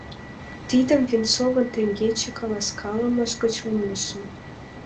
Тидым Венцовын теҥгече каласкалымыж гыч умылышым.